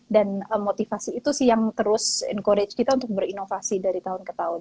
dan motivasi itu sih yang terus encourage kita untuk berinovasi dari tahun ke tahun